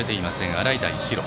洗平比呂。